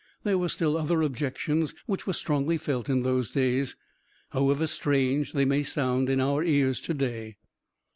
There were still other objections, which were strongly felt in those days, however strange they may sound in our ears to day.